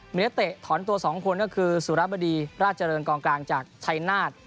มีนักเตะถอนตัว๒คนก็คือสุรบดีราชเจริญกองกลางจากชัยนาธ